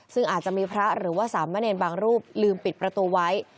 ซึ่งอาจจะมีพระหรือว่าสามเณรบางรูปลืมปิดประตูไว้